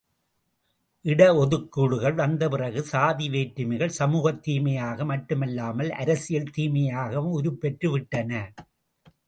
இட ஒதுக்கீடுகள் வந்த பிறகு, சாதி வேற்றுமைகள் சமூகத் தீமையாக மட்டுமல்லாமல் அரசியல் தீமையாகவும் உருப் பெற்று விட்டன.